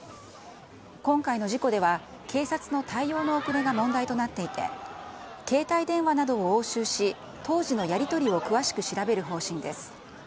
今回の事故では、警察の対応の遅れが問題となっていて、携帯電話などを押収し、当時のやり取りを詳しく調べる方針です。